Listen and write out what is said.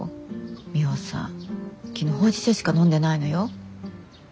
ミホさん昨日ほうじ茶しか飲んでないのよ。